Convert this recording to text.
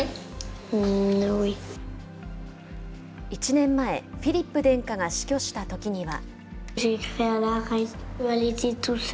１年前、フィリップ殿下が死去したときには。